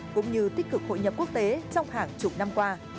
cũng như tích cực hội nhập quốc tế trong hàng chục năm qua